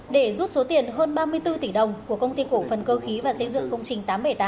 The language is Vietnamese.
để rút số tiền hơn ba mươi bốn tỷ đồng của công ty cổ phần cơ khí và xây dựng công trình tám trăm bảy mươi tám